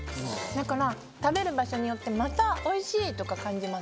だから食べる場所によってまたおいしい！とか感じます。